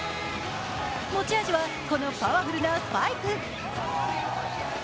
持ち味はこのパワフルなスパイク。